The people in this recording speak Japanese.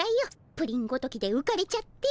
プリンごときでうかれちゃって。